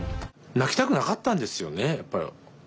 泣きたくなかったんですよねやっぱ。